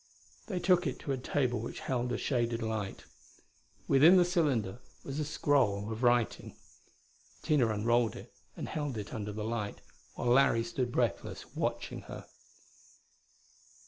They took it to a table which held a shaded light. Within the cylinder was a scroll of writing. Tina unrolled it and held it under the light, while Larry stood breathless, watching her.